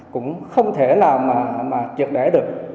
cũng không thể nào mà trượt để được